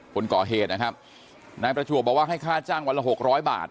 คนก่อเหตุนะครับนายประจวบบอกว่าให้ค่าจ้างวันละหกร้อยบาท